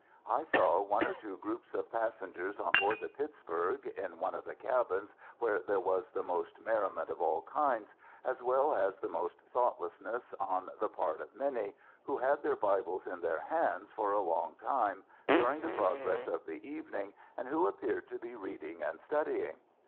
I saw one or two groups of passengers on board the Pittsburg, in one of the cabins where there was the most merriment of all kinds, as well as the most thoughtlessness on the part of many, who had their Bibles in their hands for a long time, during the progress of the evening, and who appeared to be reading and studying.